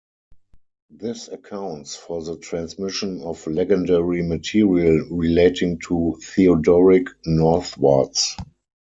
This accounts for the transmission of legendary material relating to Theodoric northwards.